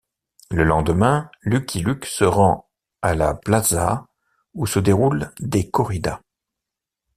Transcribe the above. Le lendemain, Lucky Luke se rend à la plaza où se déroulent des corridas.